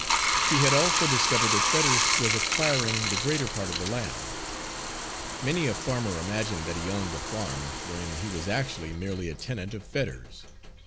He had also discovered that Fetters was acquiring the greater part of the land. Many a farmer imagined that he owned a farm, when he was, actually, merely a tenant of Fetters.